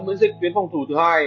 nguyễn dịch tuyến phòng thủ thứ hai